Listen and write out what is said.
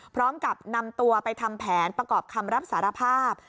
พร้อมกับนำตัวไปทำแผนประกอบคำรับสารภาพ